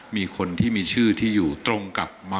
มีคนที่มีชื่อที่อยู่ตรงกับม๔